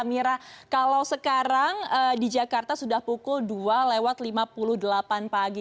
mira kalau sekarang di jakarta sudah pukul dua lewat lima puluh delapan pagi